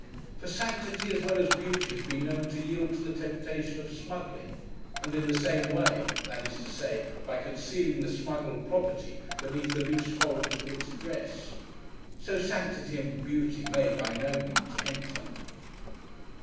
For, Sanctity as well as Beauty has been known to yield to the temptation of smuggling, and in the same way: that is to say, by concealing the smuggled property beneath the loose folds of its dress. So Sanctity and Beauty may, by no means, enter.